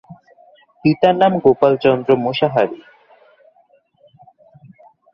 পিতার নাম গোপাল চন্দ্র মুসাহারি।